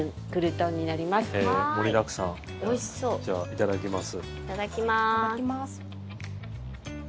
いただきます！